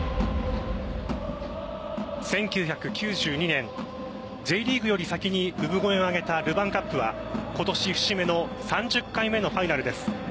１９９２年、Ｊリーグより先に産声を上げたルヴァンカップは今年、節目の３０回目のファイナルです。